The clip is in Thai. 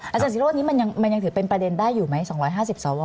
อาจารศิโรธนี้มันยังถือเป็นประเด็นได้อยู่ไหม๒๕๐สว